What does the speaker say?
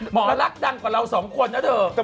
เรารักดังกว่าเราสองคนนะเธอ